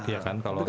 iya kan kalau emak